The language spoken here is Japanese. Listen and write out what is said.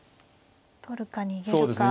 取るか逃げるか。